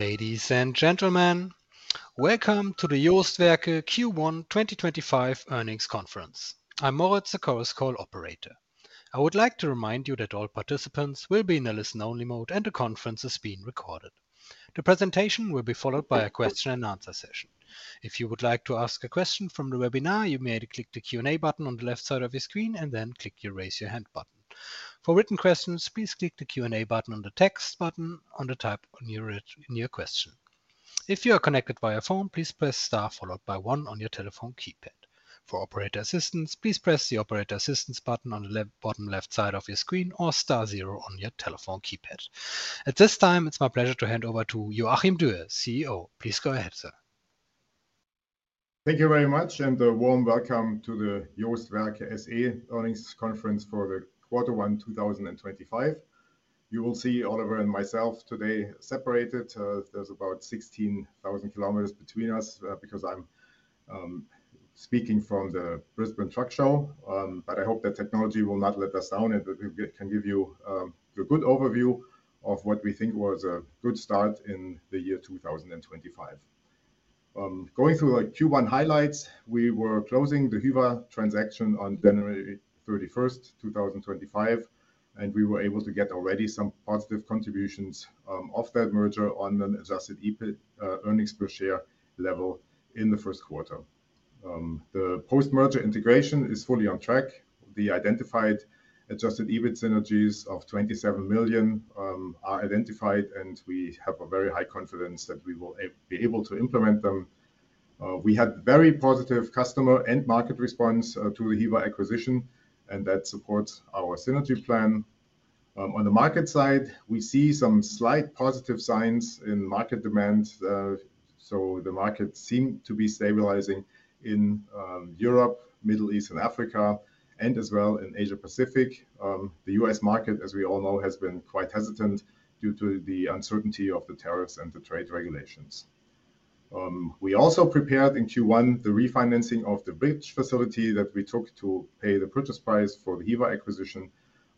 Ladies and gentlemen, welcome to the JOST Werke Q1 2025 earnings conference. I'm Moritz, the Chorus Call operator. I would like to remind you that all participants will be in a listen-only mode and the conference is being recorded. The presentation will be followed by a question-and-answer session. If you would like to ask a question from the webinar, you may click the Q&A button on the left side of your screen and then click your raise your hand button. For written questions, please click the Q&A button and the text button to type in your question. If you are connected via phone, please press star followed by one on your telephone keypad. For operator assistance, please press the operator assistance button on the bottom left side of your screen or star zero on your telephone keypad. At this time, it's my pleasure to hand over to Joachim Dürr, CEO. Please go ahead, sir. Thank you very much and a warm welcome to the JOST Werke SE earnings conference for the quarter one 2025. You will see Oliver and myself today separated. There is about 16,000 km between us because I am speaking from the Brisbane Truck Show, but I hope that technology will not let us down and can give you a good overview of what we think was a good start in the year 2025. Going through like Q1 highlights, we were closing the Hyva transaction on January 31, 2025, and we were able to get already some positive contributions off that merger on an adjusted EBIT earnings per share level in the first quarter. The post-merger integration is fully on track. The identified adjusted EBIT synergies of 27 million are identified, and we have a very high confidence that we will be able to implement them. We had very positive customer and market response to the Hyva acquisition, and that supports our synergy plan. On the market side, we see some slight positive signs in market demand. The market seemed to be stabilizing in Europe, Middle East, and Africa, and as well in Asia Pacific. The U.S. market, as we all know, has been quite hesitant due to the uncertainty of the tariffs and the trade regulations. We also prepared in Q1 the refinancing of the bridge facility that we took to pay the purchase price for the Hyva acquisition,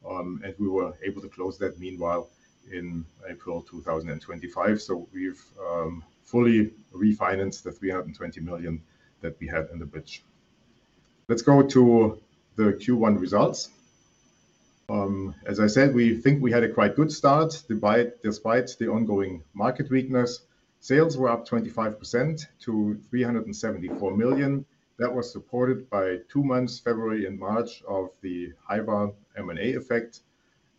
and we were able to close that meanwhile in April 2025. We have fully refinanced the 320 million that we had in the bridge. Let's go to the Q1 results. As I said, we think we had a quite good start despite the ongoing market weakness. Sales were up 25% to 374 million. That was supported by two months, February and March of the Hyva M&A effect.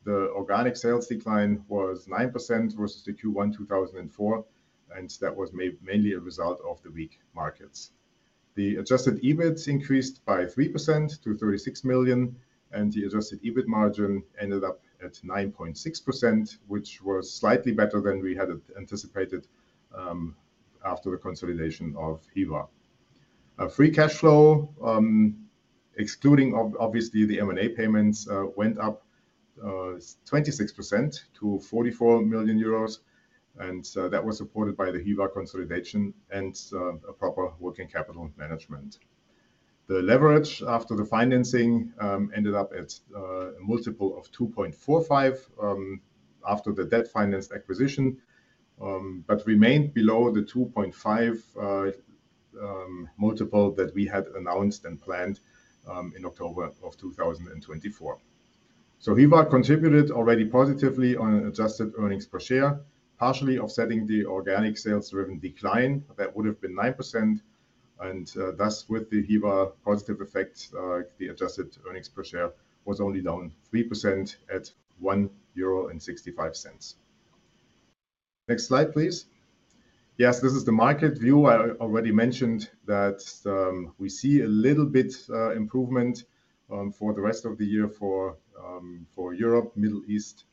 The organic sales decline was 9% versus the Q1 2024, and that was mainly a result of the weak markets. The adjusted EBIT increased by 3% to 36 million, and the adjusted EBIT margin ended up at 9.6%, which was slightly better than we had anticipated after the consolidation of Hyva. Free cash flow, excluding obviously the M&A payments, went up 26% to 44 million euros, and that was supported by the Hyva consolidation and a proper working capital management. The leverage after the financing ended up at a multiple of 2.45 after the debt financed acquisition, but remained below the 2.5 multiple that we had announced and planned in October of 2024. Hyva contributed already positively on adjusted earnings per share, partially offsetting the organic sales-driven decline that would have been 9%. Thus, with the Hyva positive effect, the adjusted earnings per share was only down 3% at 1.65 euro. Next slide, please. Yes, this is the market view. I already mentioned that we see a little bit of improvement for the rest of the year for Europe, Middle East,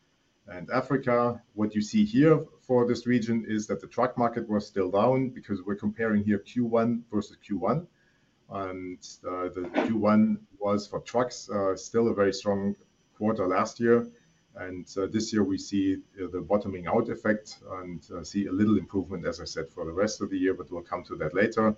and Africa. What you see here for this region is that the truck market was still down because we are comparing here Q1 versus Q1, and the Q1 was for trucks still a very strong quarter last year. This year we see the bottoming out effect and see a little improvement, as I said, for the rest of the year, but we will come to that later.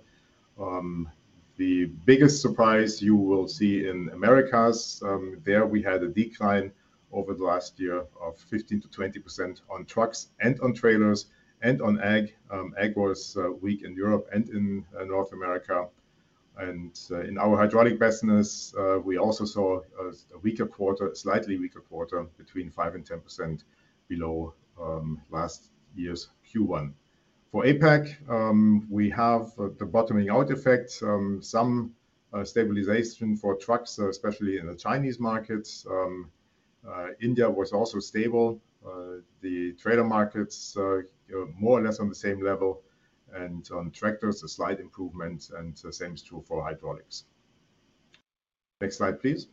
The biggest surprise you will see in Americas, there we had a decline over the last year of 15-20% on trucks and on trailers and on ag. Ag was weak in Europe and in North America. In our hydraulic business, we also saw a weaker quarter, slightly weaker quarter, between 5-10% below last year's Q1. For Asia Pacific, we have the bottoming out effect, some stabilization for trucks, especially in the Chinese markets. India was also stable. The trader markets more or less on the same level, and on tractors, a slight improvement, and the same is true for hydraulics. Next slide, please.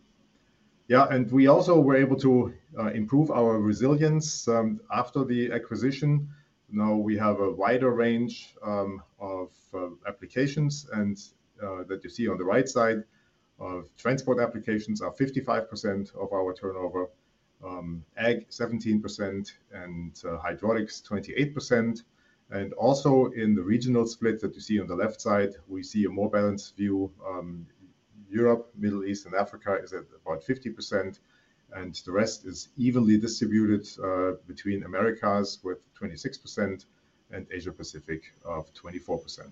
We also were able to improve our resilience after the acquisition. Now we have a wider range of applications, and that you see on the right side of transport applications are 55% of our turnover, ag 17%, and hydraulics 28%. Also in the regional split that you see on the left side, we see a more balanced view. Europe, Middle East, and Africa is at about 50%, and the rest is evenly distributed between Americas with 26% and Asia Pacific of 24%.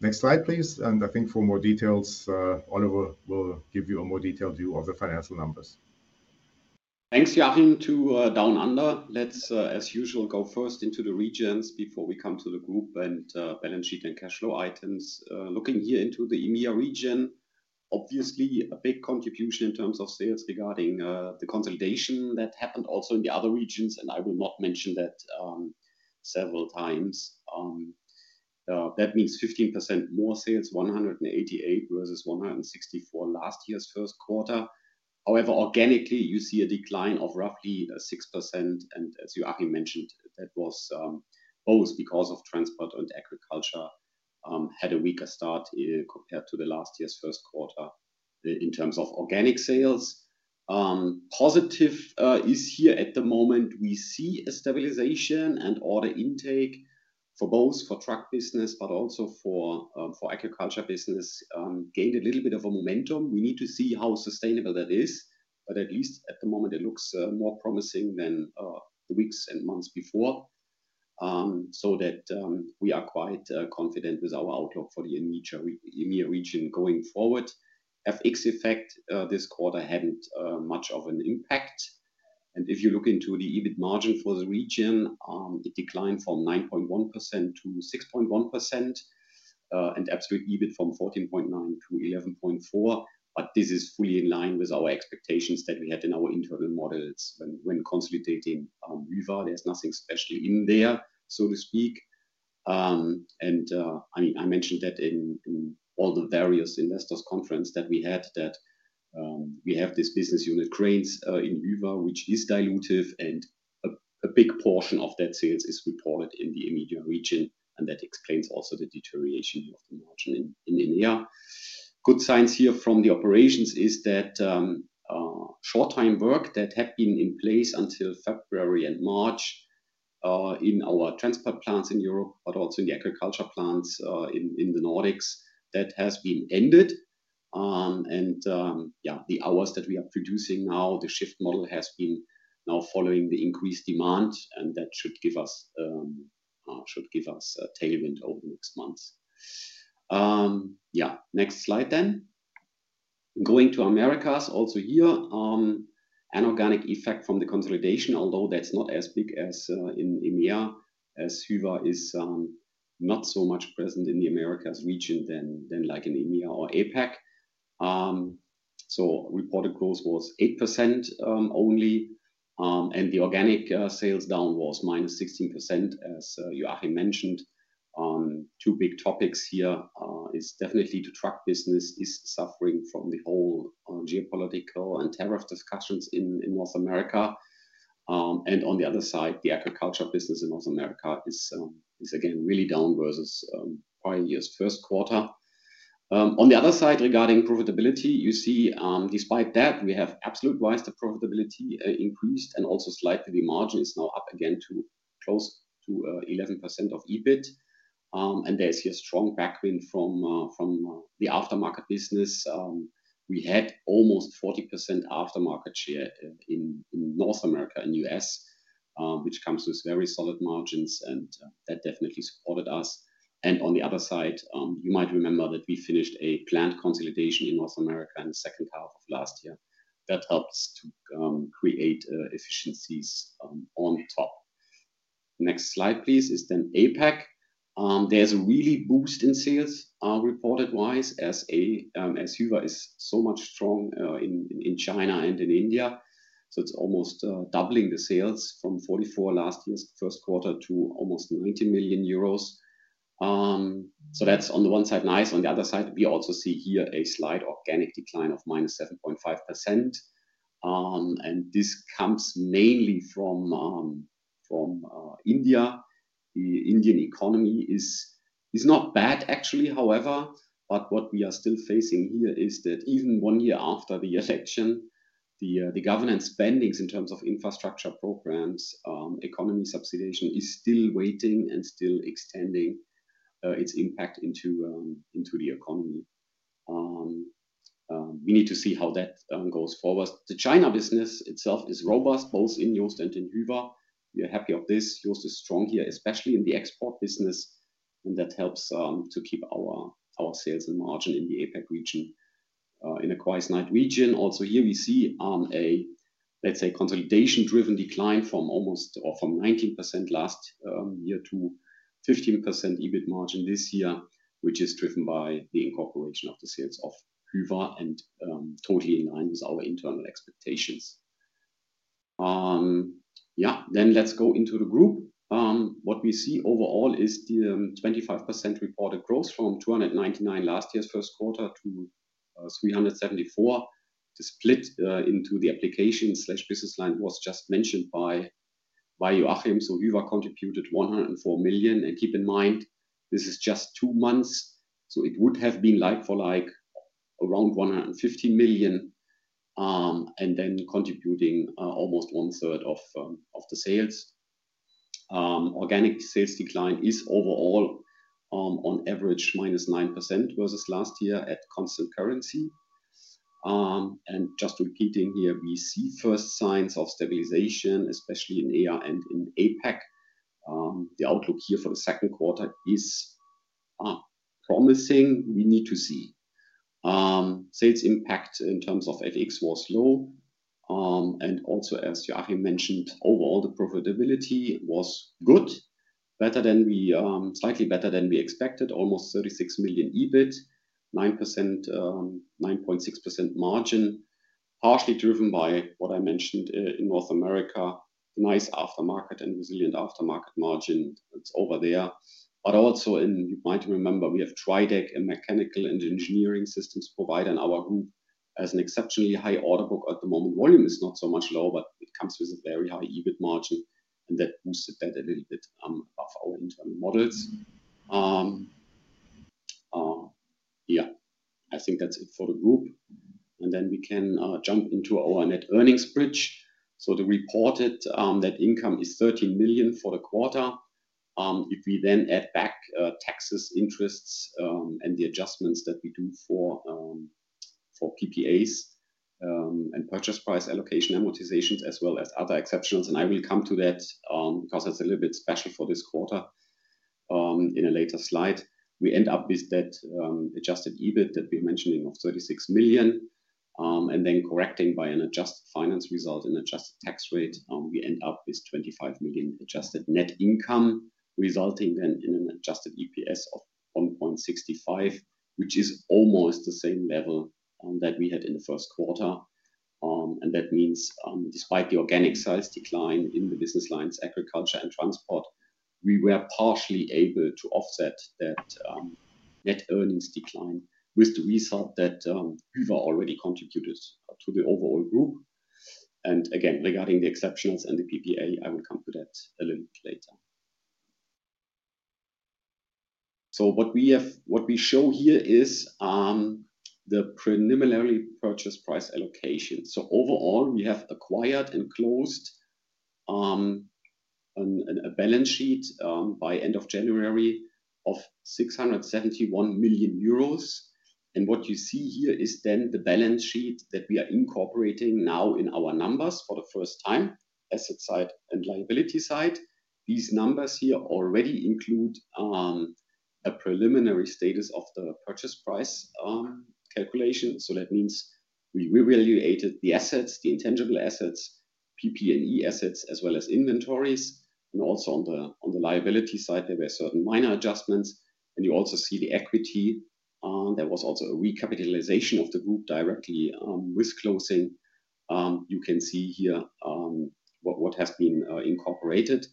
Next slide, please. I think for more details, Oliver will give you a more detailed view of the financial numbers. Thanks, Joachim. To down under, let's, as usual, go first into the regions before we come to the group and balance sheet and cash flow items. Looking here into the EMEA region, obviously a big contribution in terms of sales regarding the consolidation that happened also in the other regions, and I will not mention that several times. That means 15% more sales, 188 million versus 164 million last year's first quarter. However, organically, you see a decline of roughly 6%, and as Joachim mentioned, that was both because of transport and agriculture had a weaker start compared to last year's first quarter in terms of organic sales. Positive is here at the moment. We see a stabilization and order intake for both for truck business, but also for agriculture business gained a little bit of a momentum. We need to see how sustainable that is, but at least at the moment, it looks more promising than the weeks and months before. That means we are quite confident with our outlook for the EMEA region going forward. FX effect this quarter had not much of an impact. If you look into the EBIT margin for the region, it declined from 9.1% to 6.1% and absolute EBIT from 14.9 million to 11.4 million. This is fully in line with our expectations that we had in our internal models when consolidating Hyva. There is nothing special in there, so to speak. I mean, I mentioned that in all the various investors' conferences that we had, that we have this business unit grains in Hyva, which is dilutive, and a big portion of that sales is reported in the EMEA region, and that explains also the deterioration of the margin in EMEA. Good signs here from the operations is that short-time work that had been in place until February and March in our transport plants in Europe, but also in the agriculture plants in the Nordics, that has been ended. Yeah, the hours that we are producing now, the shift model has been now following the increased demand, and that should give us tailwind over the next months. Yeah, next slide then. Going to Americas also here, an organic effect from the consolidation, although that's not as big as in EMEA, as Hyva is not so much present in the Americas region than like in EMEA or Asia Pacific. Reported growth was 8% only, and the organic sales down was minus 16%, as Joachim mentioned. Two big topics here is definitely the truck business is suffering from the whole geopolitical and tariff discussions in North America. On the other side, the agriculture business in North America is again really down versus prior year's first quarter. Regarding profitability, you see despite that we have absolute rise to profitability increased and also slightly the margin is now up again to close to 11% of EBIT. There is here strong backwind from the aftermarket business. We had almost 40% aftermarket share in North America and US, which comes with very solid margins, and that definitely supported us. You might remember that we finished a planned consolidation in North America in the second half of last year. That helped us to create efficiencies on top. Next slide, please, is then Asia Pacific. There is a really boost in sales reported wise as Hyva is so much strong in China and in India. It is almost doubling the sales from 44 million last year's first quarter to almost 90 million euros. That is on the one side nice. On the other side, we also see here a slight organic decline of -7.5%. This comes mainly from India. The Indian economy is not bad actually, however, what we are still facing here is that even one year after the election, the government spendings in terms of infrastructure programs, economy subsidiation is still waiting and still extending its impact into the economy. We need to see how that goes forward. The China business itself is robust both in JOST and in Hyva. We are happy about this. JOST is strong here, especially in the export business, and that helps to keep our sales and margin in the Asia Pacific region. In the quiescence region, also here we see a, let's say, consolidation-driven decline from almost or from 19% last year to 15% EBIT margin this year, which is driven by the incorporation of the sales of Hyva and totally in line with our internal expectations. Yeah, then let's go into the group. What we see overall is the 25% reported growth from 299 million last year's first quarter to 374 million. The split into the application slash business line was just mentioned by Joachim. So Hyva contributed 104 million. And keep in mind, this is just two months. So it would have been like for like around 150 million and then contributing almost one third of the sales. Organic sales decline is overall on average -9% versus last year at constant currency. And just repeating here, we see first signs of stabilization, especially in and in APAC. The outlook here for the second quarter is promising. We need to see sales impact in terms of FX was low. Also, as Joachim mentioned, overall the profitability was good, better than we, slightly better than we expected, almost 36 million EBIT, 9.6% margin, partially driven by what I mentioned in North America, nice aftermarket and resilient aftermarket margin. It is over there. Also, you might remember we have TRIDEC, a mechanical and engineering systems provider in our group, has an exceptionally high order book at the moment. Volume is not so much low, but it comes with a very high EBIT margin, and that boosted that a little bit above our internal models. I think that is it for the group. Then we can jump into our net earnings bridge. The reported net income is 13 million for the quarter. If we then add back taxes, interests, and the adjustments that we do for PPAs and purchase price allocation amortizations, as well as other exceptionals, and I will come to that because it is a little bit special for this quarter in a later slide, we end up with that adjusted EBIT that we are mentioning of 36 million. Then correcting by an adjusted finance result and adjusted tax rate, we end up with 25 million adjusted net income, resulting then in an adjusted EPS of 1.65, which is almost the same level that we had in the first quarter. That means despite the organic size decline in the business lines, agriculture and transport, we were partially able to offset that net earnings decline with the result that Hyva already contributed to the overall group. Regarding the exceptionals and the PPA, I will come to that a little bit later. What we show here is the preliminary purchase price allocation. Overall, we have acquired and closed a balance sheet by end of January of 671 million euros. What you see here is the balance sheet that we are incorporating now in our numbers for the first time, asset side and liability side. These numbers here already include a preliminary status of the purchase price calculation. That means we revaluated the assets, the intangible assets, PP&E assets, as well as inventories. Also on the liability side, there were certain minor adjustments. You also see the equity. There was also a recapitalization of the group directly with closing. You can see here what has been incorporated.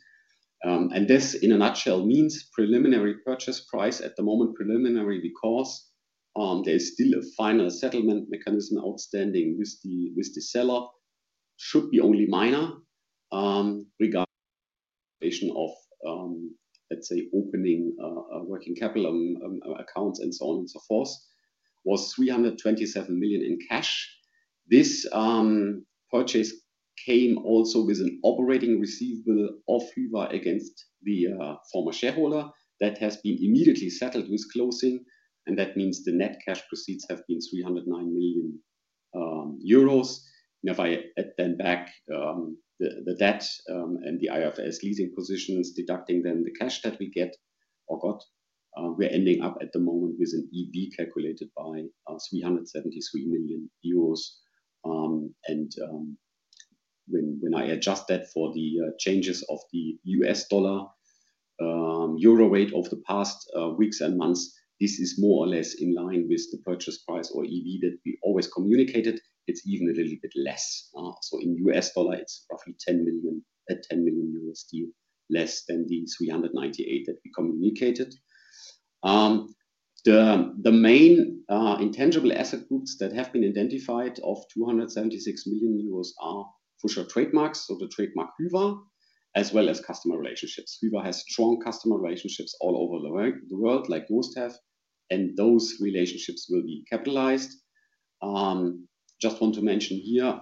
This in a nutshell means preliminary purchase price at the moment, preliminary because there is still a final settlement mechanism outstanding with the seller. It should be only minor regarding the situation of, let's say, opening working capital accounts and so on and so forth, was 327 million in cash. This purchase came also with an operating receivable of Hyva against the former shareholder. That has been immediately settled with closing. That means the net cash receipts have been 309 million euros. Now, if I add then back the debt and the IFRS leading positions, deducting then the cash that we get or got, we are ending up at the moment with an EV calculated by 373 million euros. When I adjust that for the changes of the US dollar euro rate over the past weeks and months, this is more or less in line with the purchase price or EBITDA that we always communicated. It is even a little bit less. In US dollar, it is roughly 10 million still less than the $398 million that we communicated. The main intangible asset groups that have been identified of 276 million euros are for trademarks, so the trademark Hyva, as well as customer relationships. Hyva has strong customer relationships all over the world, like most have, and those relationships will be capitalized. I just want to mention here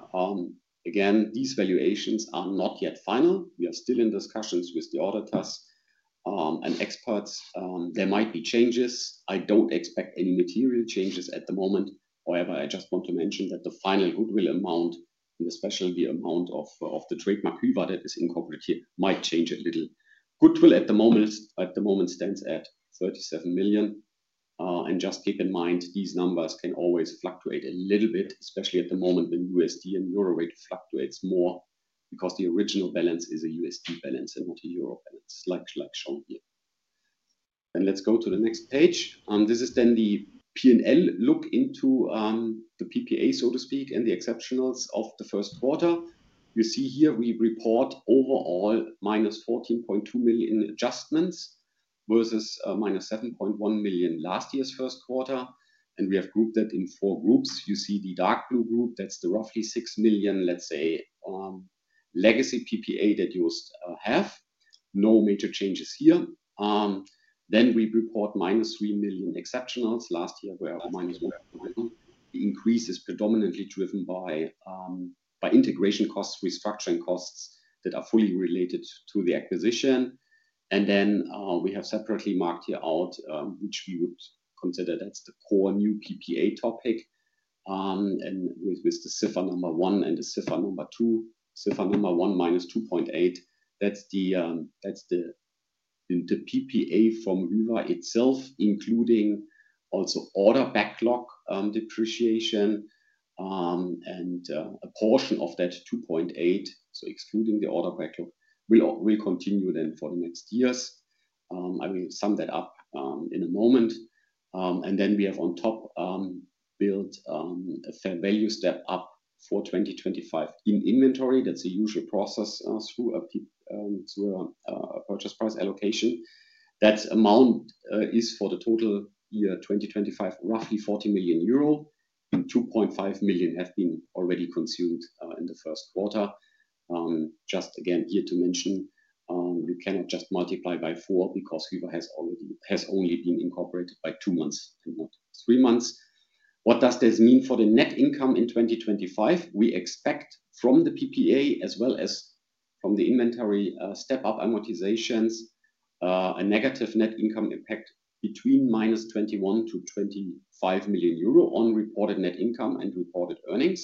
again, these valuations are not yet final. We are still in discussions with the auditors and experts. There might be changes. I do not expect any material changes at the moment. However, I just want to mention that the final goodwill amount, and especially the amount of the trademark Hyva that is incorporated here, might change a little. Goodwill at the moment stands at 37 million. Just keep in mind, these numbers can always fluctuate a little bit, especially at the moment when USD and euro rate fluctuates more because the original balance is a USD balance and not a euro balance, like shown here. Let's go to the next page. This is then the P&L look into the PPA, so to speak, and the exceptionals of the first quarter. You see here we report overall minus 14.2 million adjustments versus minus 7.1 million last year's first quarter. We have grouped that in four groups. You see the dark blue group, that's the roughly 6 million, let's say, legacy PPA that you have. No major changes here. We report minus 3 million exceptionals. Last year were minus 1 million. The increase is predominantly driven by integration costs, restructuring costs that are fully related to the acquisition. We have separately marked here out, which we would consider that's the core new PPA topic. With the CIFA number one and the CIFA number two, CIFA number one minus 2.8 million, that's the PPA from Hyva itself, including also order backlog depreciation. A portion of that 2.8 million, so excluding the order backlog, will continue then for the next years. I will sum that up in a moment. We have on top built a fair value step up for 2025 in inventory. That's a usual process through a purchase price allocation. That amount is for the total year 2025, roughly 40 million euro. 2.5 million have been already consumed in the first quarter. Just again here to mention, you cannot just multiply by four because Hyva has only been incorporated by two months and not three months. What does this mean for the net income in 2025? We expect from the PPA as well as from the inventory step-up amortizations, a negative net income impact between -21 million to -25 million on reported net income and reported earnings,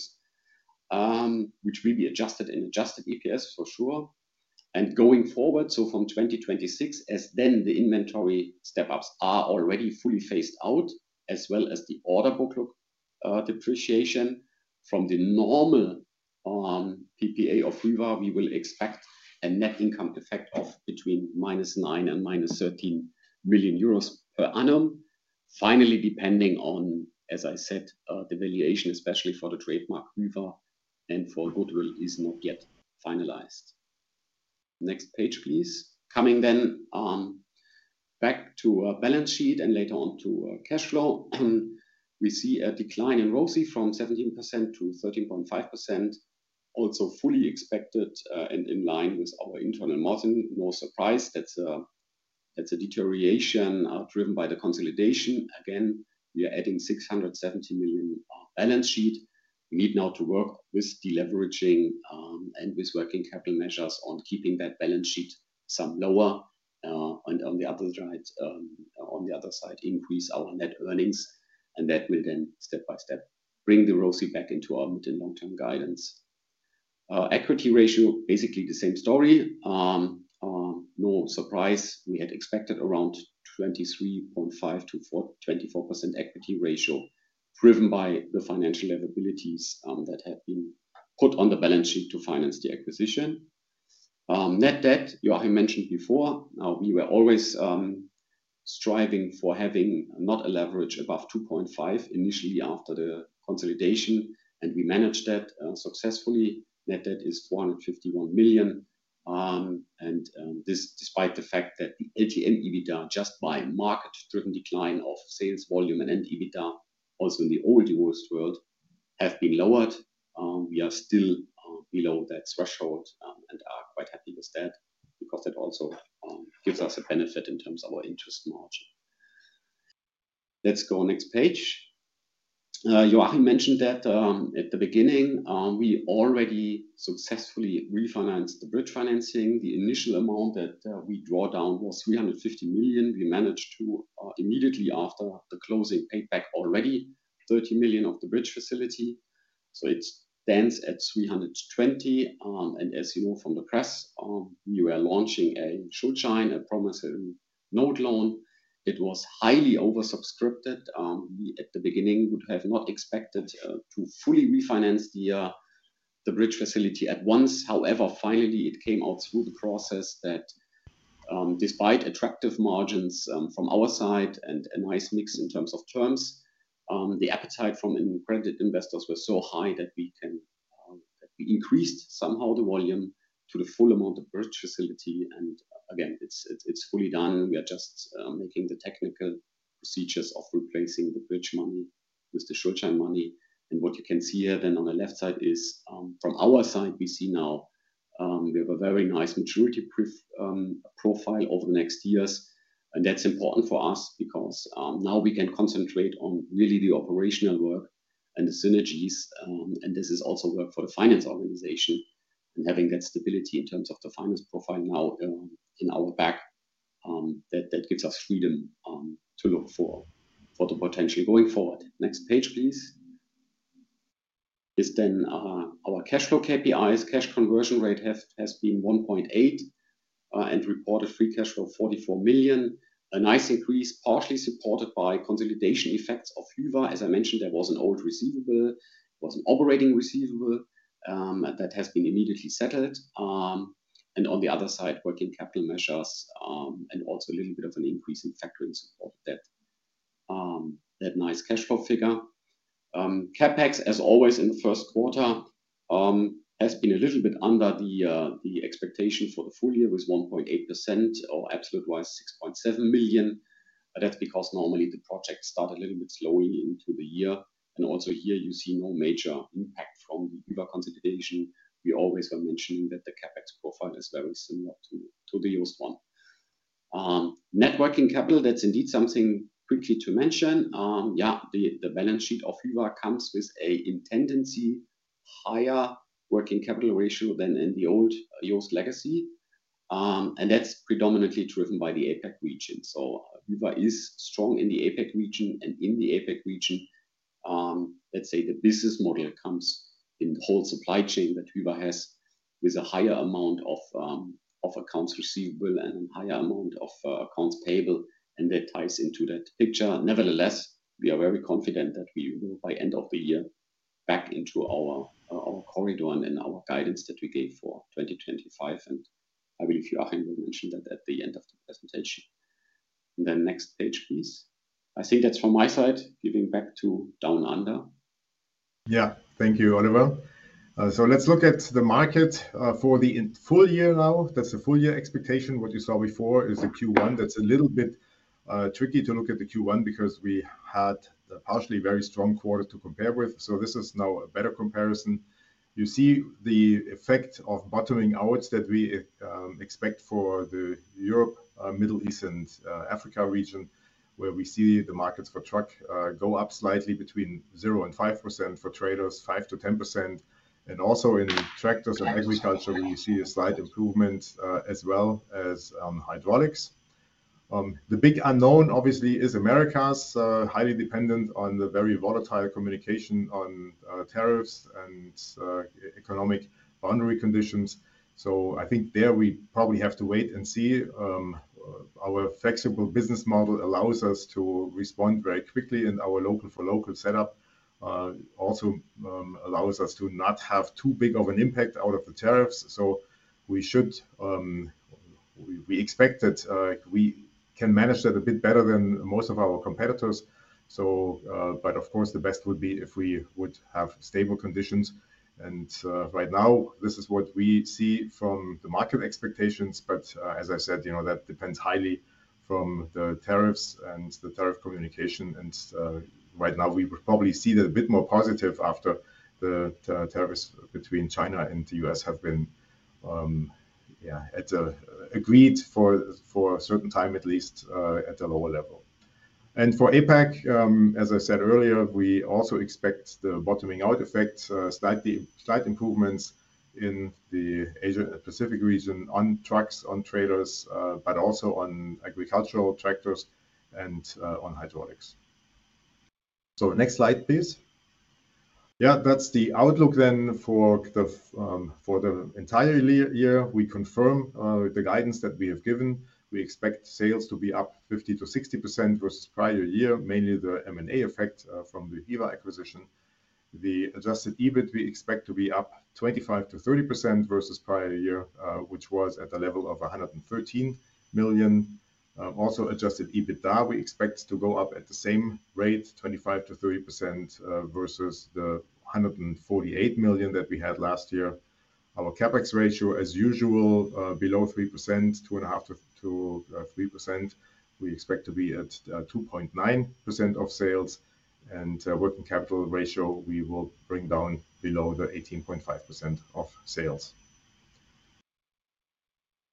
which will be adjusted in adjusted EPS for sure. Going forward, from 2026, as then the inventory step-ups are already fully phased out, as well as the order book depreciation, from the normal PPA of Hyva, we will expect a net income effect of between -9 million and -13 million per annum. Finally, depending on, as I said, the valuation, especially for the trademark Hyva and for goodwill, is not yet finalized. Next page, please. Coming then back to a balance sheet and later on to cash flow. We see a decline in ROSI from 17% to 13.5%, also fully expected and in line with our internal margin. No surprise. That is a deterioration driven by the consolidation. Again, we are adding 670 million balance sheet. We need now to work with deleveraging and with working capital measures on keeping that balance sheet some lower. On the other side, increase our net earnings. That will then step by step bring the ROSI back into our mid and long-term guidance. Equity ratio, basically the same story. No surprise. We had expected around 23.5%-24% equity ratio driven by the financial liabilities that have been put on the balance sheet to finance the acquisition. Net debt, Joachim mentioned before, we were always striving for having not a leverage above 2.5 initially after the consolidation, and we managed that successfully. Net debt is 451 million. This is despite the fact that the LTN EBITDA just by market-driven decline of sales volume and EBITDA, also in the old US world, have been lowered. We are still below that threshold and are quite happy with that because that also gives us a benefit in terms of our interest margin. Let's go next page. Joachim mentioned that at the beginning, we already successfully refinanced the bridge financing. The initial amount that we draw down was 350 million. We managed to immediately after the closing paid back already 30 million of the bridge facility. It stands at 320 million. As you know from the press, we were launching a Schuldschein, a promissory note loan. It was highly oversubscribed. We at the beginning would have not expected to fully refinance the bridge facility at once. However, finally, it came out through the process that despite attractive margins from our side and a nice mix in terms of terms, the appetite from credit investors was so high that we increased somehow the volume to the full amount of bridge facility. It is fully done. We are just making the technical procedures of replacing the bridge money with the Schuldschein money. What you can see here then on the left side is from our side, we see now we have a very nice maturity profile over the next years. That is important for us because now we can concentrate on really the operational work and the synergies. This is also work for the finance organization. Having that stability in terms of the finance profile now in our back, that gives us freedom to look for the potential going forward. Next page, please. This is then our cash flow KPIs. Cash conversion rate has been 1.8 and reported free cash flow 44 million. A nice increase, partially supported by consolidation effects of Hyva. As I mentioned, there was an old receivable. It was an operating receivable that has been immediately settled. On the other side, working capital measures and also a little bit of an increase in factoring support that nice cash flow figure. CapEx, as always in the first quarter, has been a little bit under the expectation for the full year with 1.8% or absolute wise 6.7 million. That is because normally the project started a little bit slowly into the year. Also here you see no major impact from the Hyva consolidation. We always were mentioning that the CapEx profile is very similar to the US one. Net working capital, that's indeed something quickly to mention. Yeah, the balance sheet of Hyva comes with an inherently higher working capital ratio than in the old US legacy. That's predominantly driven by the Asia Pacific region. So Hyva is strong in the Asia Pacific region. In the Asia Pacific region, let's say the business model comes in the whole supply chain that Hyva has with a higher amount of accounts receivable and a higher amount of accounts payable. That ties into that picture. Nevertheless, we are very confident that we will by end of the year be back into our corridor and our guidance that we gave for 2025. I believe Joachim will mention that at the end of the presentation. Next page, please. I think that's from my side, giving back to down under. Yeah, thank you, Oliver. Let's look at the market for the full year now. That's a full year expectation. What you saw before is the Q1. That's a little bit tricky to look at the Q1 because we had a partially very strong quarter to compare with. This is now a better comparison. You see the effect of bottoming out that we expect for the Europe, Middle East, and Africa region, where we see the markets for truck go up slightly between 0-5% for traders, 5-10%. Also in tractors and agriculture, we see a slight improvement as well as on hydraulics. The big unknown obviously is Americas, highly dependent on the very volatile communication on tariffs and economic boundary conditions. I think there we probably have to wait and see. Our flexible business model allows us to respond very quickly in our local for local setup. It also allows us to not have too big of an impact out of the tariffs. We expect that we can manage that a bit better than most of our competitors. Of course, the best would be if we would have stable conditions. Right now, this is what we see from the market expectations. As I said, that depends highly on the tariffs and the tariff communication. Right now, we probably see that a bit more positive after the tariffs between China and the U.S. have been, yeah, agreed for a certain time at least at a lower level. For APEC, as I said earlier, we also expect the bottoming out effect, slight improvements in the Asia-Pacific region on trucks, on trailers, but also on agricultural tractors and on hydraulics. Next slide, please. Yeah, that is the outlook then for the entire year. We confirm the guidance that we have given. We expect sales to be up 50%-60% versus prior year, mainly the M&A effect from the Hyva acquisition. The adjusted EBIT we expect to be up 25%-30% versus prior year, which was at the level of 113 million. Also, adjusted EBITDA we expect to go up at the same rate, 25%-30% versus the 148 million that we had last year. Our CapEx ratio, as usual, below 3%, 2.5%-3%. We expect to be at 2.9% of sales. The working capital ratio, we will bring down below the 18.5% of sales.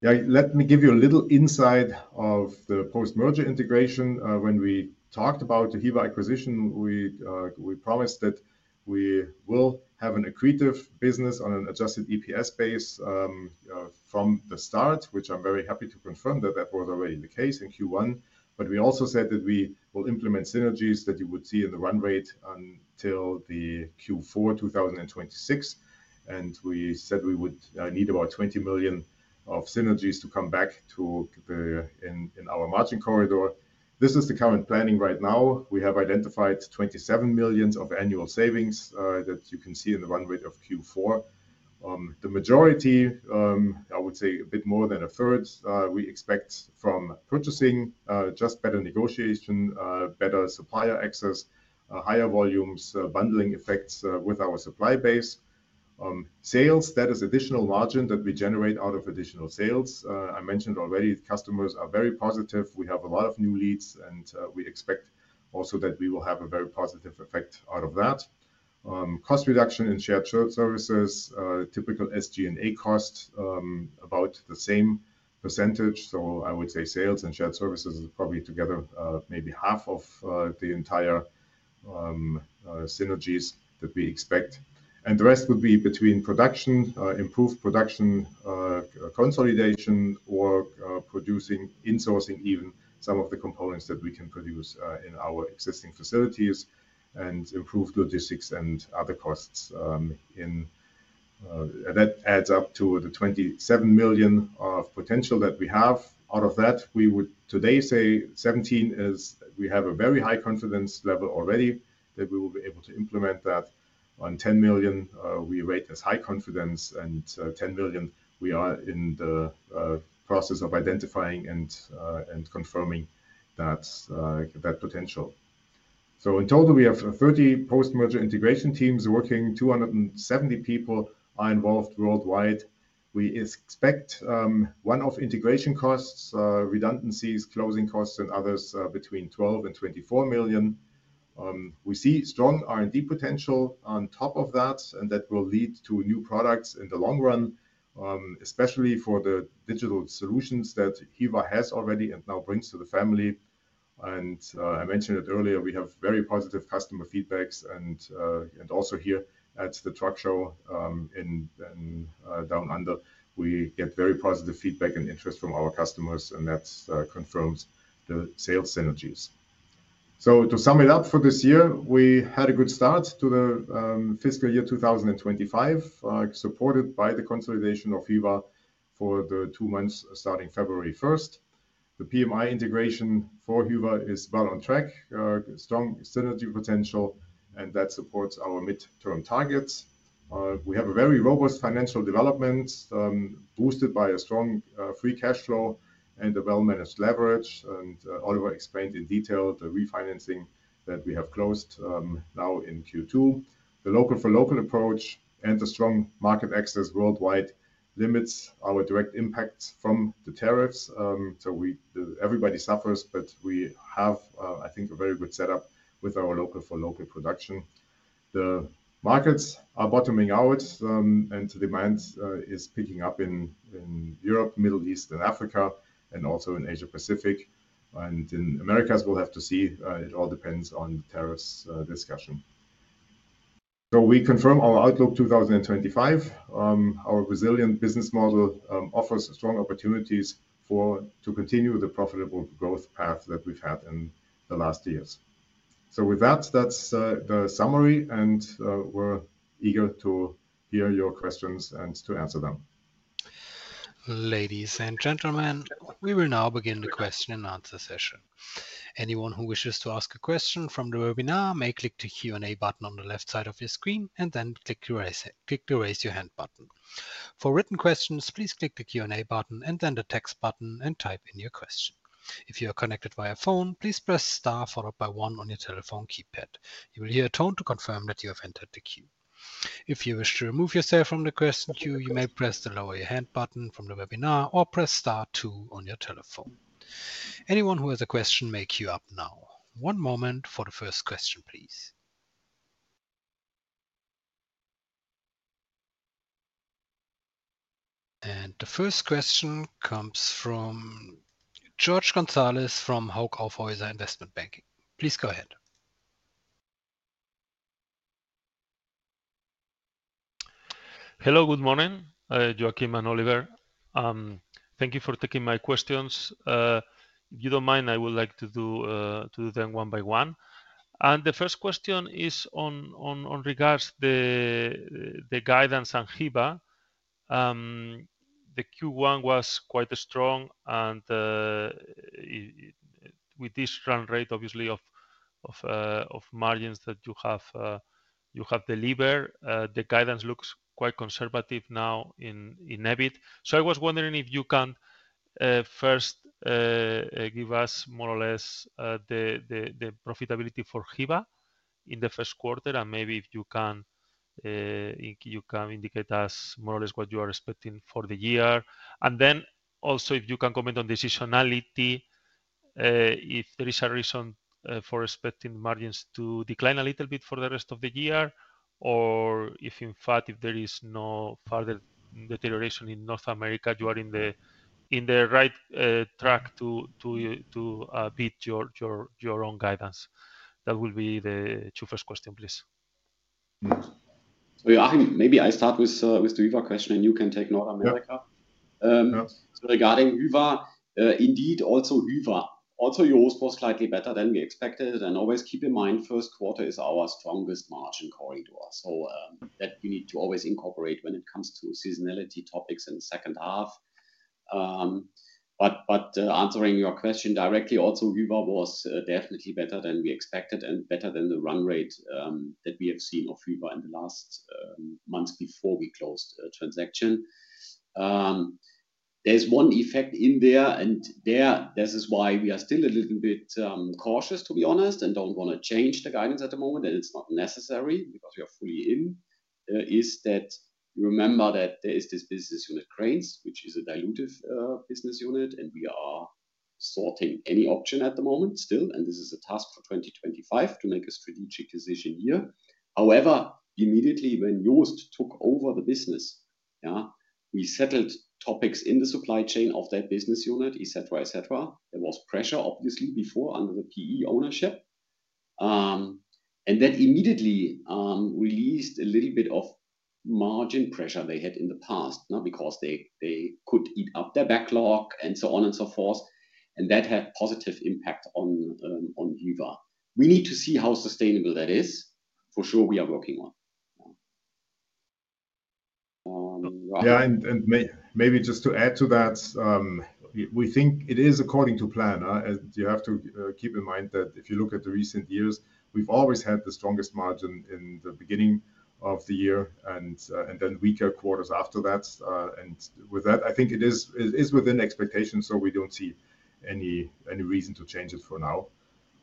Yeah, let me give you a little insight of the post-merger integration. When we talked about the Hyva acquisition, we promised that we will have an accretive business on an adjusted EPS base from the start, which I'm very happy to confirm that that was already the case in Q1. We also said that we will implement synergies that you would see in the run rate until Q4 2026. We said we would need about 20 million of synergies to come back in our margin corridor. This is the current planning right now. We have identified 27 million of annual savings that you can see in the run rate of Q4. The majority, I would say a bit more than a third, we expect from purchasing, just better negotiation, better supplier access, higher volumes, bundling effects with our supply base. Sales, that is additional margin that we generate out of additional sales. I mentioned already customers are very positive. We have a lot of new leads, and we expect also that we will have a very positive effect out of that. Cost reduction in shared services, typical SG&A cost, about the same %. I would say sales and shared services is probably together maybe half of the entire synergies that we expect. The rest would be between production, improved production, consolidation, or producing in-sourcing even some of the components that we can produce in our existing facilities and improve logistics and other costs. That adds up to the 27 million of potential that we have. Out of that, we would today say 17 million is we have a very high confidence level already that we will be able to implement that. On 10 million, we rate as high confidence. And 10 million, we are in the process of identifying and confirming that potential. In total, we have 30 post-merger integration teams working. 270 people are involved worldwide. We expect one-off integration costs, redundancies, closing costs, and others between 12-24 million. We see strong R&D potential on top of that, and that will lead to new products in the long run, especially for the digital solutions that Hyva has already and now brings to the family. I mentioned it earlier, we have very positive customer feedback. Also here at the truck show in Down Under, we get very positive feedback and interest from our customers, and that confirms the sales synergies. To sum it up for this year, we had a good start to the fiscal year 2025, supported by the consolidation of Hyva for the two months starting February 1st. The PMI integration for Hyva is well on track, strong synergy potential, and that supports our midterm targets. We have a very robust financial development boosted by a strong free cash flow and a well-managed leverage. Oliver explained in detail the refinancing that we have closed now in Q2. The local for local approach and the strong market access worldwide limits our direct impact from the tariffs. Everybody suffers, but we have, I think, a very good setup with our local for local production. The markets are bottoming out, and the demand is picking up in Europe, Middle East, and Africa, and also in Asia Pacific. In Americas, we'll have to see. It all depends on the tariffs discussion. We confirm our outlook 2025. Our resilient business model offers strong opportunities to continue the profitable growth path that we've had in the last years. With that, that's the summary, and we're eager to hear your questions and to answer them. Ladies and gentlemen, we will now begin the question and answer session. Anyone who wishes to ask a question from the webinar may click the Q&A button on the left side of your screen and then click the raise your hand button. For written questions, please click the Q&A button and then the text button and type in your question. If you are connected via phone, please press star followed by one on your telephone keypad. You will hear a tone to confirm that you have entered the queue. If you wish to remove yourself from the question queue, you may press the lower your hand button from the webinar or press star two on your telephone. Anyone who has a question may queue up now. One moment for the first question, please. The first question comes from Jorge González from Hauck Aufhäuser Investment Banking. Please go ahead. Hello, good morning, Joachim and Oliver. Thank you for taking my questions. If you do not mind, I would like to do them one by one. The first question is in regards to the guidance on Hyva. The Q1 was quite strong. With this run rate, obviously, of margins that you have delivered, the guidance looks quite conservative now in EBIT. I was wondering if you can first give us more or less the profitability for Hyva in the first quarter, and maybe if you can indicate us more or less what you are expecting for the year. Also if you can comment on decisionality, if there is a reason for expecting margins to decline a little bit for the rest of the year, or if in fact if there is no further deterioration in North America, you are on the right track to beat your own guidance. That will be the two first questions, please. Maybe I start with the Hyva question and you can take North America. Regarding Hyva, indeed also Hyva. Also your response slightly better than we expected. Always keep in mind first quarter is our strongest margin corridor. That we need to always incorporate when it comes to seasonality topics in the second half. Answering your question directly, also Hyva was definitely better than we expected and better than the run rate that we have seen of Hyva in the last months before we closed transaction. There is one effect in there, and this is why we are still a little bit cautious, to be honest, and do not want to change the guidance at the moment, and it is not necessary because we are fully in, is that you remember that there is this business unit, Cranes, which is a dilutive business unit, and we are sorting any option at the moment still. This is a task for 2025 to make a strategic decision here. However, immediately when JOST took over the business, yeah, we settled topics in the supply chain of that business unit, et cetera, et cetera. There was pressure, obviously, before under the PE ownership. That immediately released a little bit of margin pressure they had in the past, not because they could eat up their backlog and so on and so forth. That had a positive impact on Hyva. We need to see how sustainable that is. For sure, we are working on. Yeah, and maybe just to add to that, we think it is according to plan. You have to keep in mind that if you look at the recent years, we have always had the strongest margin in the beginning of the year and then weaker quarters after that. I think it is within expectations, so we do not see any reason to change it for now.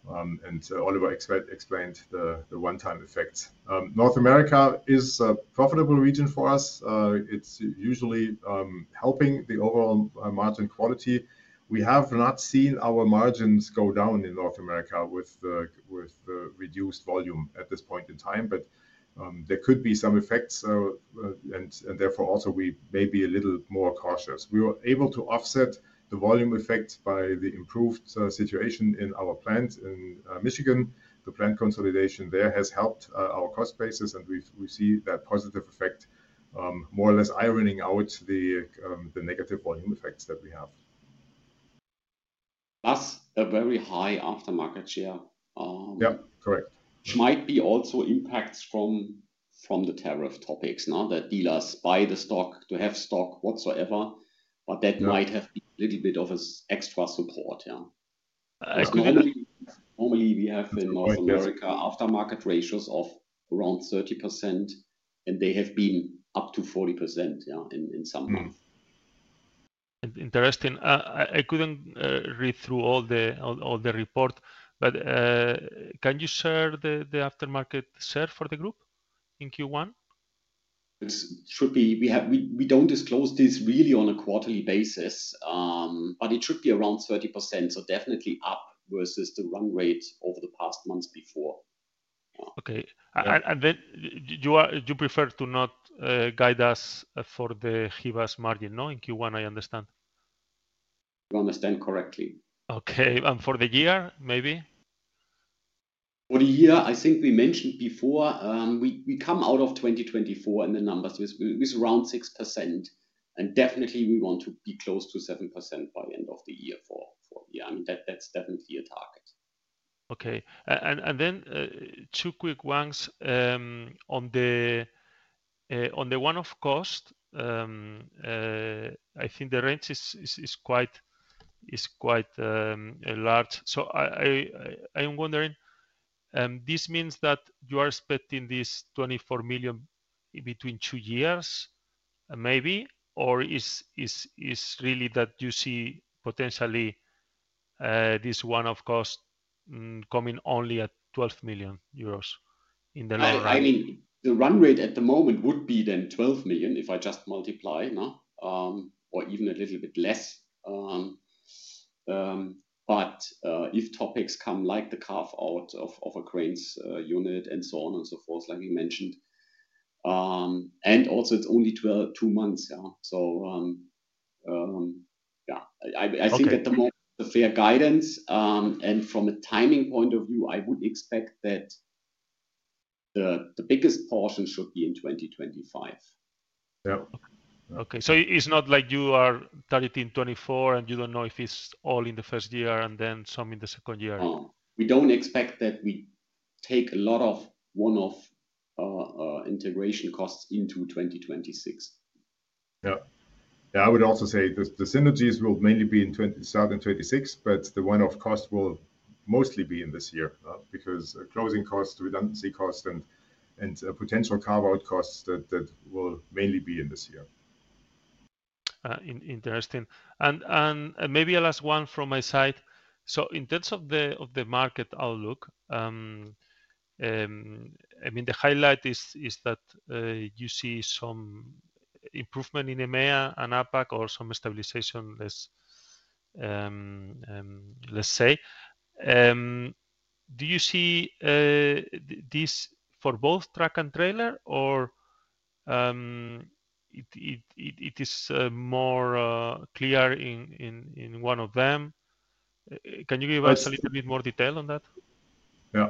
Oliver explained the one-time effects. North America is a profitable region for us. It is usually helping the overall margin quality. We have not seen our margins go down in North America with reduced volume at this point in time, but there could be some effects, and therefore also we may be a little more cautious. We were able to offset the volume effect by the improved situation in our plant in Michigan. The plant consolidation there has helped our cost basis, and we see that positive effect more or less ironing out the negative volume effects that we have. That is a very high aftermarket share. Yeah, correct. Might be also impacts from the tariff topics, not that dealers buy the stock to have stock whatsoever, but that might have been a little bit of an extra support. Normally, we have in North America aftermarket ratios of around 30%, and they have been up to 40% in some months. Interesting. I could not read through all the report, but can you share the aftermarket share for the group in Q1? We do not disclose this really on a quarterly basis, but it should be around 30%, so definitely up versus the run rate over the past months before. Okay. Do you prefer to not guide us for the Hyva's margin in Q1, I understand? If I understand correctly. Okay. For the year, maybe? For the year, I think we mentioned before, we come out of 2024 and the numbers with around 6%. We want to be close to 7% by the end of the year for the year. I mean, that's definitely a target. Okay. Two quick ones. On the one-off cost, I think the range is quite large. I'm wondering, does this mean that you are expecting this 24 million between two years maybe, or is it really that you see potentially this one-off cost coming only at 12 million euros in the long run? I mean, the run rate at the moment would be then 12 million if I just multiply, or even a little bit less. If topics come like the carve-out of a Crane's unit and so on and so forth, like you mentioned. Also, it's only two months. Yeah, I think at the moment, the fair guidance, and from a timing point of view, I would expect that the biggest portion should be in 2025. Okay. It is not like you are targeting 2024, and you do not know if it is all in the first year and then some in the second year. We do not expect that we take a lot of one-off integration costs into 2026. Yeah. I would also say the synergies will mainly be in 2027, 2026, but the one-off cost will mostly be in this year because closing costs, redundancy costs, and potential carve-out costs, that will mainly be in this year. Interesting. Maybe a last one from my side. In terms of the market outlook, I mean, the highlight is that you see some improvement in EMEA and Asia Pacific or some stabilization, let's say. Do you see this for both truck and trailer, or is it more clear in one of them? Can you give us a little bit more detail on that? Yeah.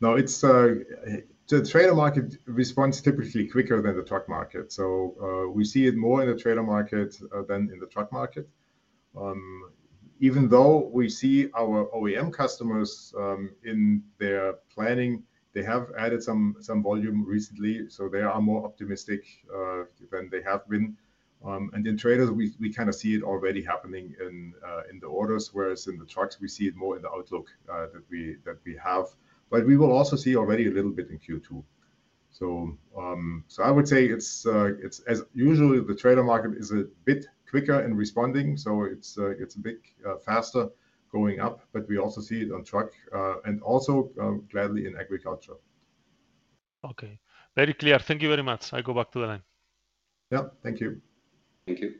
No, the trailer market responds typically quicker than the truck market. We see it more in the trailer market than in the truck market. Even though we see our OEM customers in their planning, they have added some volume recently, so they are more optimistic than they have been. In trailers, we kind of see it already happening in the orders, whereas in the trucks, we see it more in the outlook that we have. We will also see already a little bit in Q2. I would say, as usual, the trailer market is a bit quicker in responding, so it is a bit faster going up, but we also see it on truck and also gladly in agriculture. Okay. Very clear. Thank you very much. I go back to the line. Yeah. Thank you. Thank you.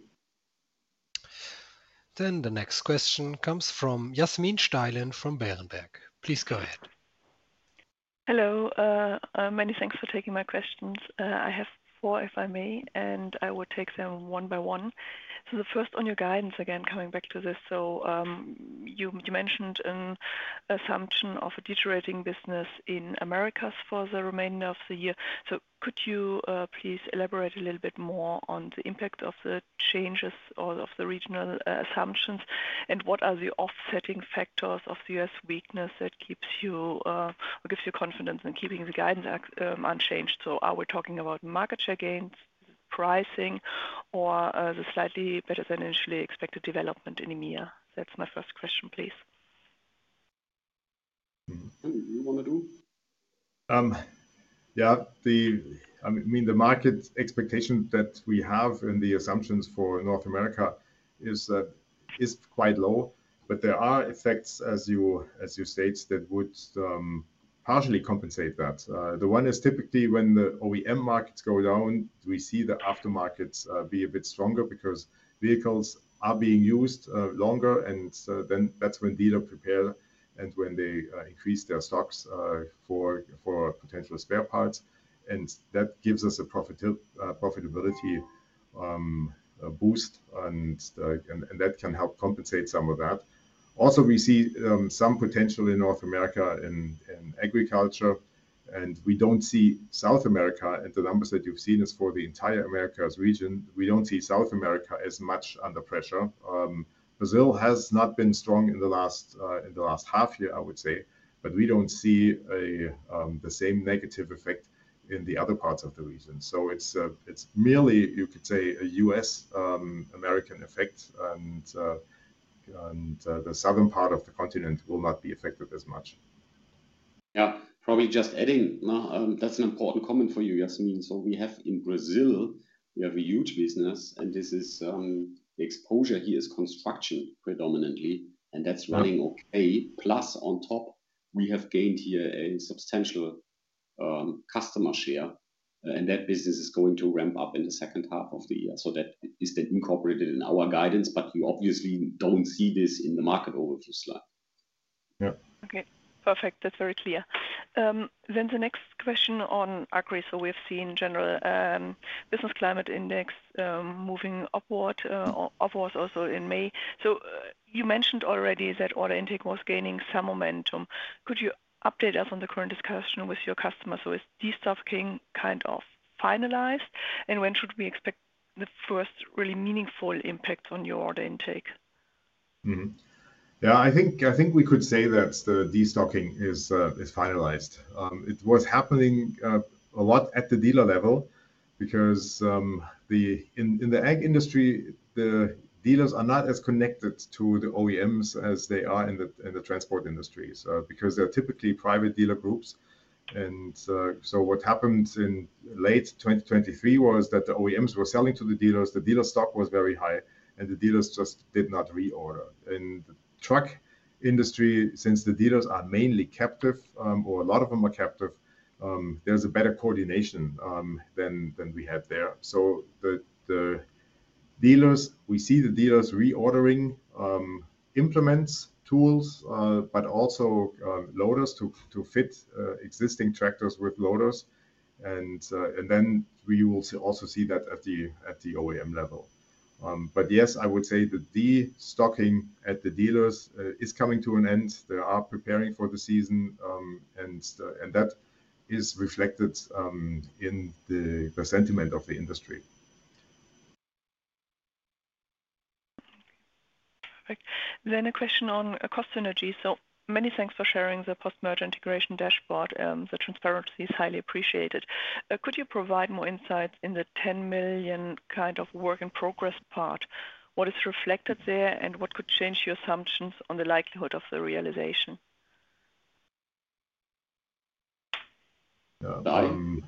The next question comes from Yasmin Steilen from Berenberg. Please go ahead. Hello. Many thanks for taking my questions. I have four, if I may, and I will take them one by one. The first on your guidance, again, coming back to this. You mentioned an assumption of a deteriorating business in Americas for the remainder of the year. Could you please elaborate a little bit more on the impact of the changes or of the regional assumptions, and what are the offsetting factors of the US weakness that gives you confidence in keeping the guidance unchanged? Are we talking about market share gains, pricing, or the slightly better than initially expected development in EMEA? That is my first question, please. You want to do? Yeah. I mean, the market expectation that we have and the assumptions for North America is quite low, but there are effects, as you state, that would partially compensate that. The one is typically when the OEM markets go down, we see the aftermarkets be a bit stronger because vehicles are being used longer, and then that is when dealers prepare and when they increase their stocks for potential spare parts. That gives us a profitability boost, and that can help compensate some of that. Also, we see some potential in North America in agriculture, and we do not see South America, and the numbers that you have seen are for the entire Americas region. We do not see South America as much under pressure. Brazil has not been strong in the last half year, I would say, but we do not see the same negative effect in the other parts of the region. It is merely, you could say, a U.S.-American effect, and the southern part of the continent will not be affected as much. Yeah. Probably just adding, that is an important comment for you, Yasmin. We have in Brazil, we have a huge business, and the exposure here is construction predominantly, and that is running okay. Plus, on top, we have gained here a substantial customer share, and that business is going to ramp up in the second half of the year. That is then incorporated in our guidance, but you obviously do not see this in the market overview slide. Yeah. Okay. Perfect. That is very clear. The next question on agri. We have seen general business climate index moving upwards also in May. You mentioned already that order intake was gaining some momentum. Could you update us on the current discussion with your customers? Is de-stocking kind of finalized, and when should we expect the first really meaningful impact on your order intake? Yeah, I think we could say that the de-stocking is finalized. It was happening a lot at the dealer level because in the ag industry, the dealers are not as connected to the OEMs as they are in the transport industries because they are typically private dealer groups. What happened in late 2023 was that the OEMs were selling to the dealers, the dealer stock was very high, and the dealers just did not reorder. In the truck industry, since the dealers are mainly captive, or a lot of them are captive, there is better coordination than we had there. We see the dealers reordering implements, tools, but also loaders to fit existing tractors with loaders. We will also see that at the OEM level. Yes, I would say that the stocking at the dealers is coming to an end. They are preparing for the season, and that is reflected in the sentiment of the industry. Perfect. A question on cost synergy. Many thanks for sharing the post-merger integration dashboard. The transparency is highly appreciated. Could you provide more insight in the 10 million kind of work in progress part? What is reflected there, and what could change your assumptions on the likelihood of the realization? Yeah,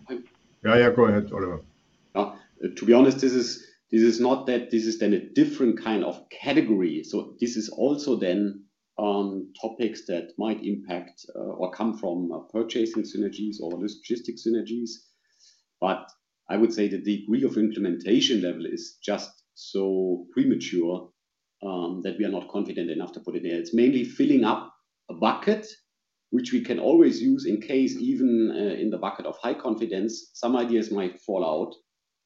go ahead, Oliver. To be honest, this is not that this is then a different kind of category. This is also topics that might impact or come from purchasing synergies or logistic synergies. I would say that the degree of implementation level is just so premature that we are not confident enough to put it there. It's mainly filling up a bucket, which we can always use in case even in the bucket of high confidence, some ideas might fall out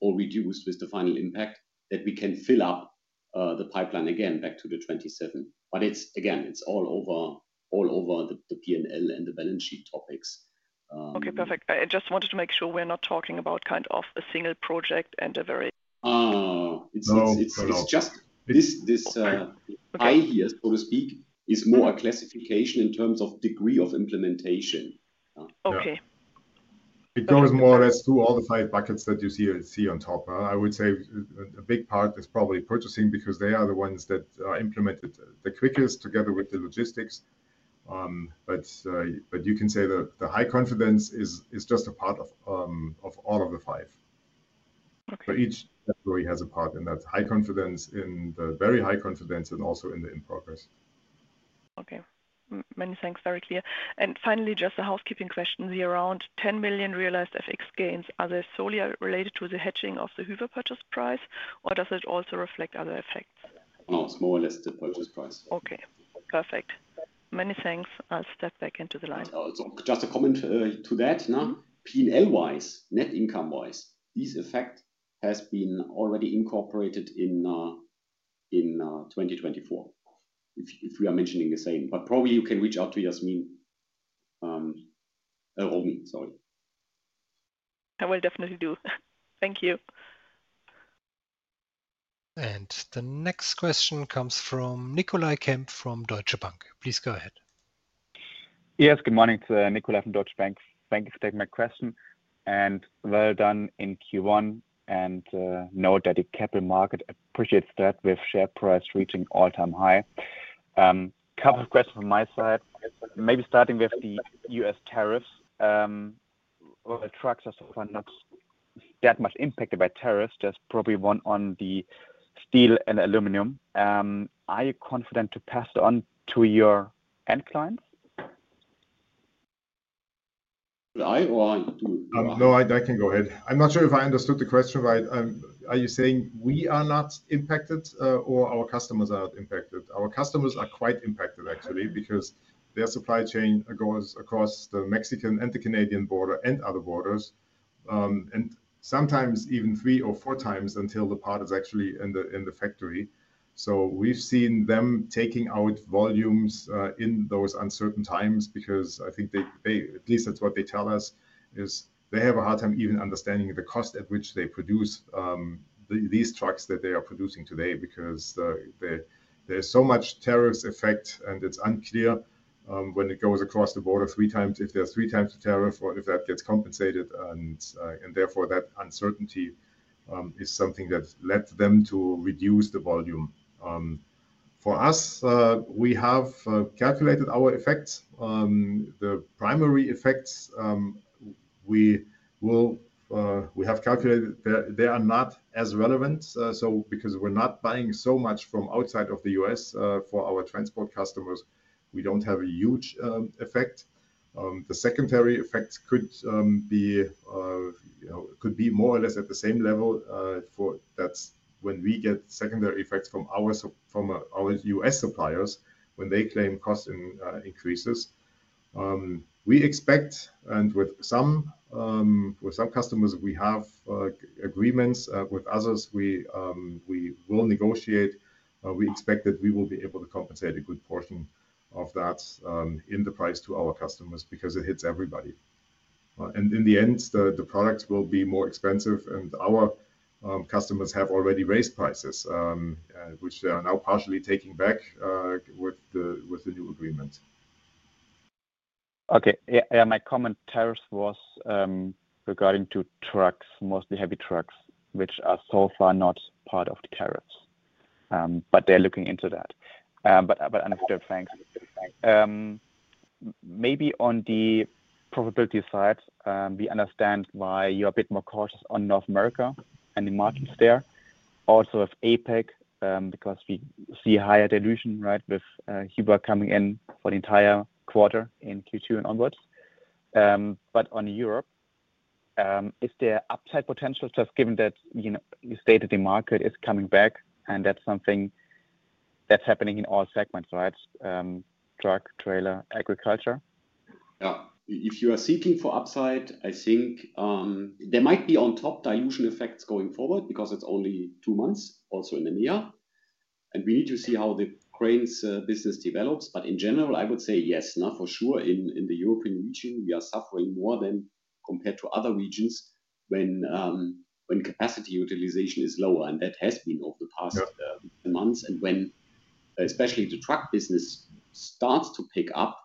or reduce with the final impact that we can fill up the pipeline again back to the 27. Again, it's all over the P&L and the balance sheet topics. Okay, perfect. I just wanted to make sure we're not talking about kind of a single project and a very— It is just this A here, so to speak, is more a classification in terms of degree of implementation. Okay. It goes more or less through all the five buckets that you see on top. I would say a big part is probably purchasing because they are the ones that are implemented the quickest together with the logistics. You can say the high confidence is just a part of all of the five. Each category has a part in that high confidence, in the very high confidence, and also in the in progress. Okay. Many thanks. Very clear. Finally, just a housekeeping question. The around 10 million realized FX gains, are they solely related to the hedging of the Hyva purchase price, or does it also reflect other effects? No, it is more or less the purchase price. Okay. Perfect. Many thanks. I will step back into the line. Just a comment to that. P&L-wise, net income-wise, this effect has been already incorporated in 2024, if we are mentioning the same. Probably you can reach out to Yasmin Romi, sorry. I will definitely do. Thank you. The next question comes from Nicolai Kempf from Deutsche Bank. Please go ahead. Yes, good morning. It is Nicolai from Deutsche Bank. Thanks for my question. Well done in Q1. Know that the capital market appreciates that with share price reaching all-time high. A couple of questions from my side. Maybe starting with the US tariffs. Trucks are so far not that much impacted by tariffs, just probably one on the steel and aluminum. Are you confident to pass it on to your end clients? I want to— No, I can go ahead. I'm not sure if I understood the question, but are you saying we are not impacted or our customers are not impacted? Our customers are quite impacted, actually, because their supply chain goes across the Mexican and the Canadian border and other borders, and sometimes even three or four times until the part is actually in the factory. We have seen them taking out volumes in those uncertain times because I think they, at least that is what they tell us, have a hard time even understanding the cost at which they produce these trucks that they are producing today because there is so much tariffs effect, and it is unclear when it goes across the border three times if there is three times the tariff or if that gets compensated. Therefore, that uncertainty is something that led them to reduce the volume. For us, we have calculated our effects. The primary effects we have calculated are not as relevant. Because we are not buying so much from outside of the U.S. for our transport customers, we do not have a huge effect. The secondary effects could be more or less at the same level, for that is when we get secondary effects from our U.S. suppliers when they claim cost increases. We expect, and with some customers, we have agreements. With others, we will negotiate. We expect that we will be able to compensate a good portion of that in the price to our customers because it hits everybody. In the end, the products will be more expensive, and our customers have already raised prices, which they are now partially taking back with the new agreement. Okay. Yeah, my comment, tariffs was regarding to trucks, mostly heavy trucks, which are so far not part of the tariffs, but they are looking into that. Understood. Thanks. Maybe on the probability side, we understand why you are a bit more cautious on North America and the markets there. Also with Asia Pacific, because we see higher dilution, right, with Hyva coming in for the entire quarter in Q2 and onwards. On Europe, is there upside potential, just given that you stated the market is coming back, and that is something that is happening in all segments, right? Truck, trailer, agriculture. Yeah. If you are seeking for upside, I think there might be on top dilution effects going forward because it is only two months, also in EMEA. We need to see how the grains business develops. In general, I would say yes, for sure. In the European region, we are suffering more than compared to other regions when capacity utilization is lower, and that has been over the past months. When especially the truck business starts to pick up,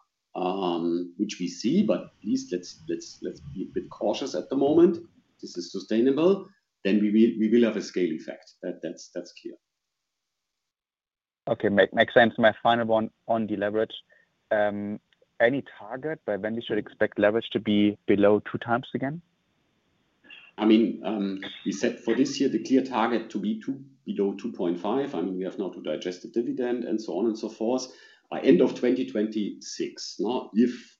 which we see, at least let's be a bit cautious at the moment. This is sustainable. We will have a scale effect. That is clear. Okay. Makes sense. My final one on the leverage. Any target by when we should expect leverage to be below two times again? I mean, we set for this year the clear target to be below 2.5. I mean, we have now to digest the dividend and so on and so forth by end of 2026. If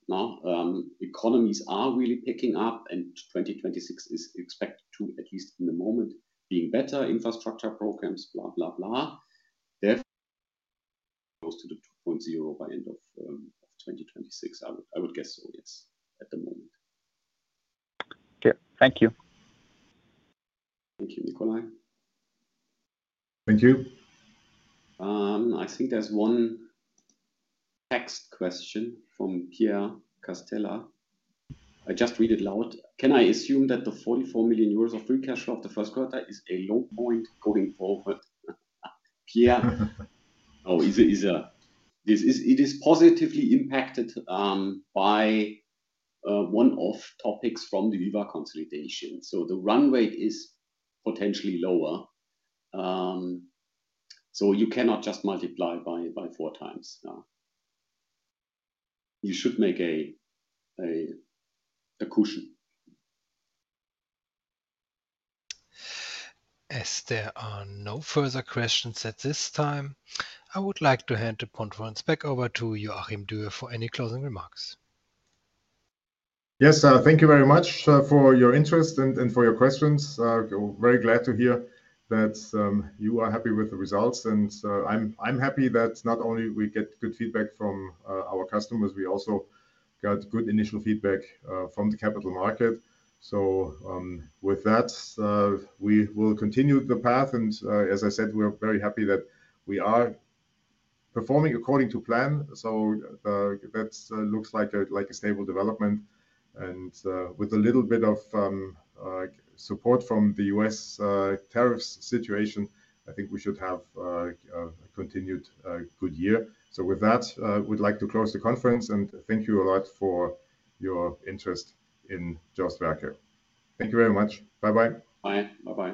economies are really picking up and 2026 is expected to, at least in the moment, be better infrastructure programs, blah, blah, blah, then close to the 2.0 by end of 2026. I would guess so, yes, at the moment. Okay. Thank you. Thank you, Nicolai. Thank you. I think there is one text question from Pierre Castella. I just read it loud. Can I assume that the 44 million euros of free cash flow of the first quarter is a low point going forward? Oh, it is positively impacted by one-off topics from the Hyva consolidation. So the run rate is potentially lower. You cannot just multiply by four times. You should make a cushion. As there are no further questions at this time, I would like to hand the point once back over to you, Joachim Dürr, for any closing remarks. Yes, thank you very much for your interest and for your questions. Very glad to hear that you are happy with the results. I am happy that not only we get good feedback from our customers, we also got good initial feedback from the capital market. With that, we will continue the path. As I said, we are very happy that we are performing according to plan. That looks like a stable development. With a little bit of support from the US tariffs situation, I think we should have a continued good year. With that, we would like to close the conference. Thank you a lot for your interest in JOST Werke. Thank you very much. Bye-bye. Bye. Bye-bye.